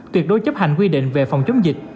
tuyệt đối chấp hành quy định về phòng chống dịch